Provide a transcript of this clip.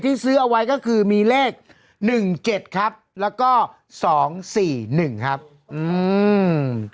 ที่ซื้อเอาไว้ก็คือมีเลขหนึ่งเจ็ดครับแล้วก็สองสี่หนึ่งครับอืม